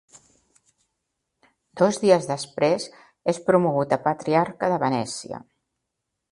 Dos dies després és promogut a patriarca de Venècia.